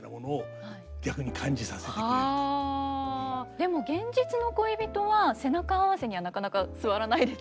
でも現実の恋人は背中合わせにはなかなか座らないですよね。